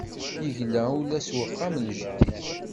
Yegla ula s uxxam n jeddi-s.